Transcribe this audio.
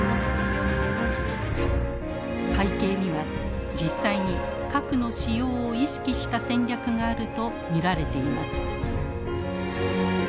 背景には実際に核の使用を意識した戦略があると見られています。